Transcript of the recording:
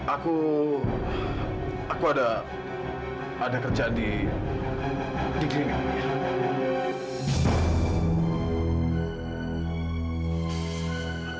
aku aku ada kerjaan di greening